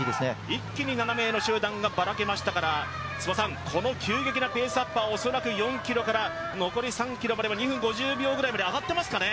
一気に７名の集団がばらけましたから、この急激なペースアップは恐らく４ｋｍから残り３ｋｍまでは２分５０秒ぐらいまで上がりますかね？